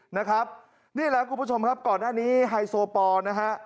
นะครับนี่แหละคุณผู้ชมครับก่อนหน้านี้ไฮโซปอลนะฮะ